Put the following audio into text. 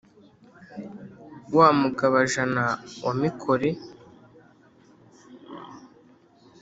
wa mugaba-jana wa mikore,